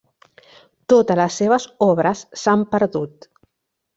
Totes les seves obres s'han perdut.